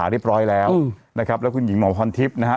หาเรียบร้อยแล้วนะครับและคุณหญิงหมอคอนทิศนะฮะ